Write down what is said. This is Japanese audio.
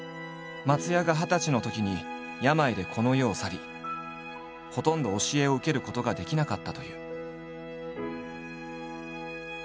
松也が二十歳のときに病でこの世を去りほとんど教えを受けることができなかったという。